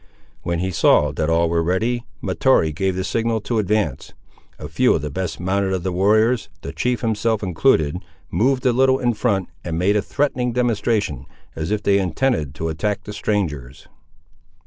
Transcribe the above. When he saw that all were ready, Mahtoree gave the signal to advance. A few of the best mounted of the warriors, the chief himself included, moved a little in front, and made a threatening demonstration, as if they intended to attack the strangers.